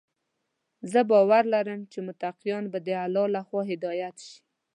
زه باور لرم چې متقیان به د الله لخوا هدايت شي.